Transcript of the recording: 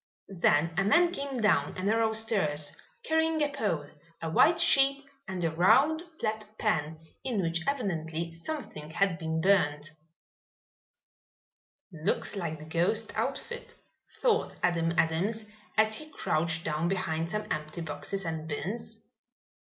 Then a man came down a narrow stairs, carrying a pole, a white sheet and a round, flat pan in which evidently something had been burnt. "Looks like the ghost outfit," thought Adam Adams, as he crouched down behind some empty boxes and bins.